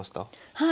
はい。